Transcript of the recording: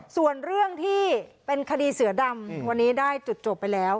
ส่วนเรื่องที่เป็นคดีเสือดำวันนี้ได้จุดจบไปแล้ว